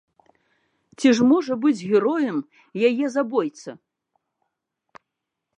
Ці ж можа быць героем яе забойца?